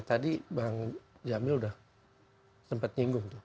tadi bang jamil udah sempat nyinggung tuh